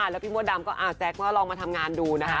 แล้วพี่มดดำก็แจ๊คว่าลองมาทำงานดูนะคะ